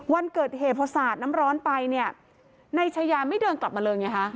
วันเกิดเหตุพอสาดน้ำร้อนไปเนี่ยนายชายาไม่เดินกลับมาเลยไงฮะ